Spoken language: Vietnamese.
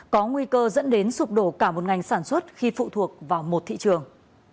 có nguy cơ dẫn đến sụp đổ cả một ngành sản xuất khi phụ thuộc vào một thị trường